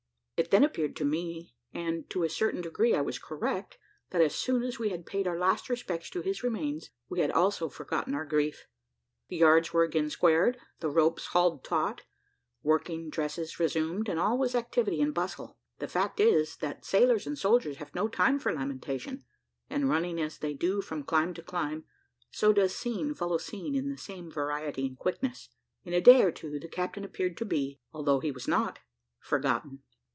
It then appeared to me, and to a certain degree I was correct, that as soon as we had paid our last respects to his remains, we had also forgotten our grief. The yards were again squared, the ropes hauled taut, working dresses resumed, and all was activity and bustle. The fact is, that sailors and soldiers have no time for lamentation, and running as they do from clime to clime, so does scene follow scene in the same variety and quickness. In a day or two, the captain appeared to be, although he was not, forgotten.